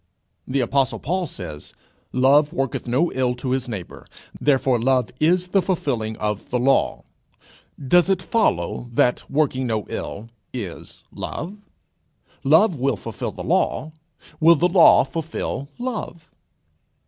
The apostle Paul says: "Love worketh no ill to his neighbour, therefore love is the fulfilling of the law." Does it follow that working no ill is love? Love will fulfil the law: will the law fulfil love?